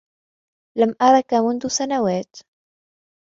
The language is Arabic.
لم أرك منذ سنوات.